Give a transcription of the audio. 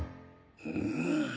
うん。